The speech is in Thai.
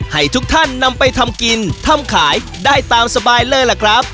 ให้ทุกท่านนำไปทำกินทำขายได้ตามสบายเลยล่ะครับ